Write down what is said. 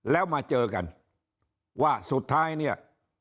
แล้วมาเจอกันว่าสุดท้ายเนี่ย